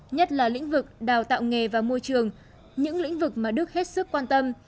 nhất là lĩnh vực đào tạo nghề và môi trường những lĩnh vực mà đức hết sức quan tâm